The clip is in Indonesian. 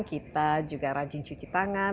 kita juga rajin cuci tangan